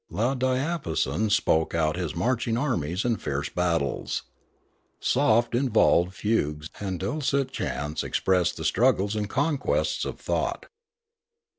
Loud diapasons spoke out his marching armies and fierce battles. Soft involved fugues and dulcet chants expressed the struggles and conquests of thought.